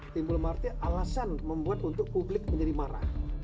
timbul martir alasan membuat untuk publik menjadi marah